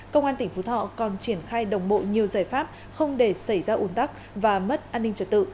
công an tỉnh phú thọ còn triển khai đồng bộ nhiều giải pháp không để xảy ra ủn tắc và mất an ninh trật tự